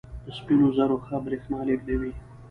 د سپینو زرو ښه برېښنا لېږدوي.